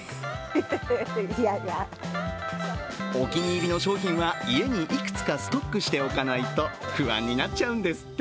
お気に入りの商品は家にいくつかストックしておかないと不安になっちゃうんですって。